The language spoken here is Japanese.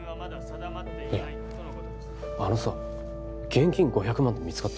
いやあのさ現金５００万って見つかった？